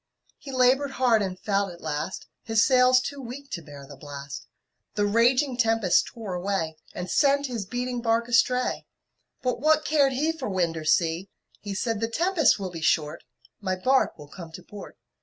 He labored hard and failed at last, His sails too weak to bear the blast, The raging tempests tore away And sent his beating bark astray. But what cared he For wind or sea! He said, "The tempest will be short, My bark will come to port."